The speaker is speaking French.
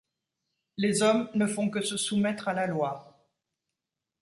Les hommes ne font que se soumettre à la loi.